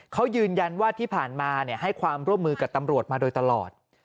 เขายืนยันว่าที่ผ่านมาให้ความร่วมมือกับตำรวจมาโดยตลอด